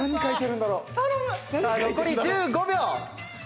さあ残り１５秒！